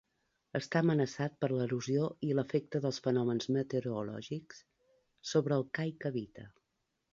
Està amenaçat per l'erosió i l'efecte dels fenòmens meteorològics sobre el cai que habita.